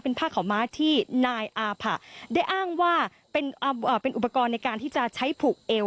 ผ้าขาวม้าที่นายอาผะได้อ้างว่าเป็นอุปกรณ์ในการที่จะใช้ผูกเอว